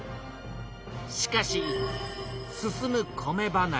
しかし進む米離れ。